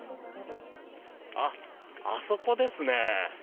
あっ、あそこですね。